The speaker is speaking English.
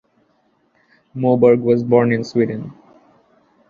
Moberg was born in Sweden.